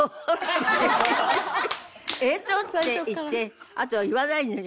「えーっと」って言ってあとは言わないのよ。